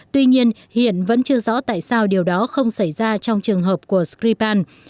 tuy nhiên hiện vẫn chưa rõ tại sao điều đó không xảy ra trong trường hợp của skripal